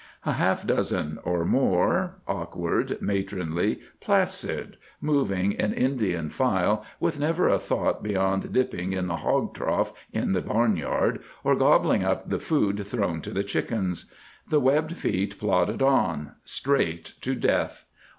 A half dozen or more; awkward, matronly, placid, moving in Indian file with never a thought beyond dipping in the hog trough in the barnyard, or gobbling up the food thrown to the chickens. The webbed feet plodded on—straight to death.